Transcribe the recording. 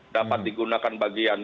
dapat digunakan bagian fun